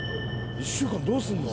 １週間どうすんの？